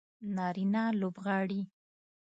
نارینه لوبغاړي